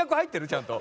ちゃんと。